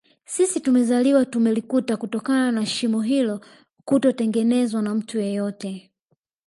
Sisi tumezaliwa tumelikuta kutokana na shimo hilo kutotengenezwa na mtu yeyote